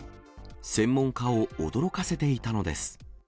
専門家を驚かせていたのです。